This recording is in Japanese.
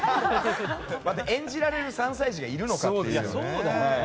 まず、演じられる３歳児がいるのかっていうね。